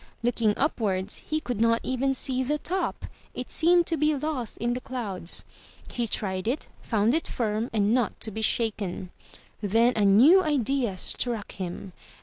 Looking upwards, he could not even see the top; it seemed to be lost in the clouds. He tried it, found it firm and not to be shaken. Then a new idea struck him.